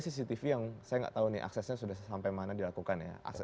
cctv yang saya nggak tahu nih aksesnya sudah sampai mana dilakukan ya